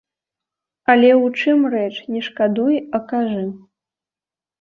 Але ў чым рэч, не шкадуй, а кажы.